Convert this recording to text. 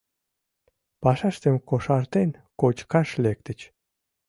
Пашаштым кошартен, кочкаш лектыч.